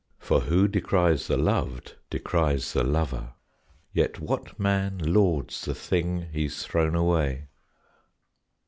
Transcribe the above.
For, who decries the loved, decries the lover; Yet what man lauds the thing he's thrown away?